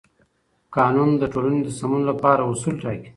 قانون د ټولنې د سمون لپاره اصول ټاکي.